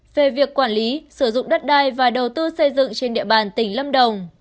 về việc quản lý sử dụng đất đai và đầu tư xây dựng trên địa bàn tỉnh lâm đồng